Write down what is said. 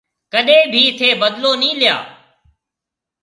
ڪڏيَ ڀِي ٿَي بدلو نِي ليا۔